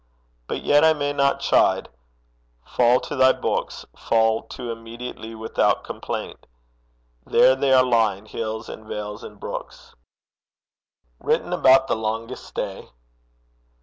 But yet I may not, chide: fall to thy books, Fall to immediately without complaint There they are lying, hills and vales and brooks. WRITTEN ABOUT THE LONGEST DAY.